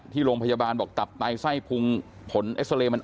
ที่โรงพยาบาลบอกตับไตไส้หายพุงเจ็บเนอะ